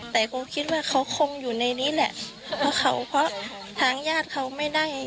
แต่เขาคิดว่าเขาคงอยู่ในนี้แหละเพราะเขาเพราะทางญาติเขาไม่ได้